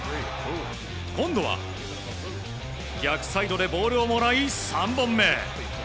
今度は、逆サイドでボールをもらい３本目！